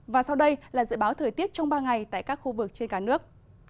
và sau đây là dự báo thời tiết trong ba ngày tại các khu vực trên cả nước